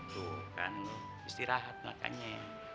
tuh kan istirahat makanya